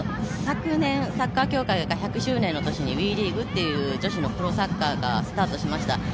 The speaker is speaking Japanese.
昨年サッカー協会が１００周年という年にＷＥリーグという女子のプロサッカーがスタートしました。